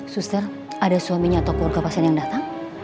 suster ada suaminya atau keluarga pasien yang datang